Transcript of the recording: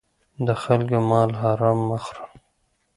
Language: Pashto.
د خلکو مال حرام مه خوره.